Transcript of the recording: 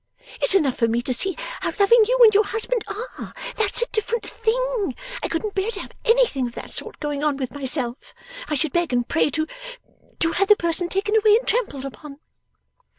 It's enough for me to see how loving you and your husband are. That's a different thing. I couldn't bear to have anything of that sort going on with myself. I should beg and pray to to have the person taken away and trampled upon.